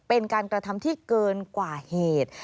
เป็นการกระทำที่เกินกว่าเหตุ